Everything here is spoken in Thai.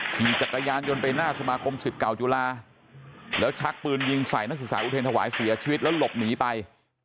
ขี่จักรยานยนต์ไปหน้าสมาคมสิทธิ์เก่าจุฬาแล้วชักปืนยิงใส่นักศึกษาอุเทรนธวายเสียชีวิตแล้วหลบหนีไป